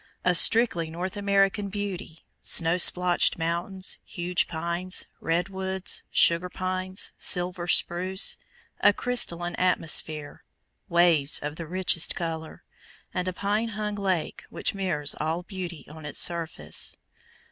A strictly North American beauty snow splotched mountains, huge pines, red woods, sugar pines, silver spruce; a crystalline atmosphere, waves of the richest color; and a pine hung lake which mirrors all beauty on its surface.